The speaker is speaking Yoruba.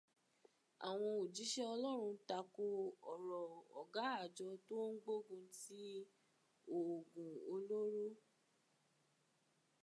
Àwọn òjíṣẹ́ Ọlọ́run tako ọ̀rọ̀ ọ̀gá àjọ tó ń gbógun ti òògùn olóró